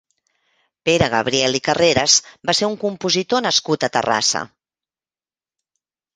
Pere Gabriel i Carreras va ser un compositor nascut a Terrassa.